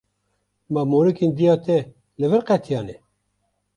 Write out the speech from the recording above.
Ma morîkên dêya te li vir qetiyane.